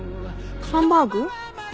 ハンバーグ？